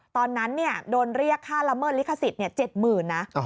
ตอนนั้นโดนเรียกค่าละเมิดลิขสิทธิ์๗๐๐๐นะ